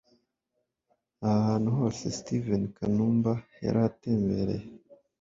Aha hantu hose Steven Kanumba yarahatembereye